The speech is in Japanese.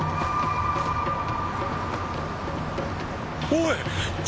おい！